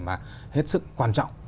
mà hết sức quan trọng